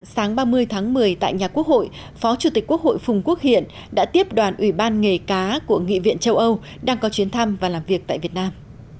sáng ba mươi tháng một mươi tại nhà quốc hội phó chủ tịch quốc hội phùng quốc hiện đã tiếp đoàn ủy ban nghề cá của nghị viện châu âu đang có chuyến thăm và làm việc tại việt nam